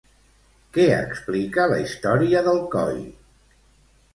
Què explica la història d'Alcoi?